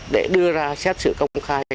để đưa ra xét sự công khai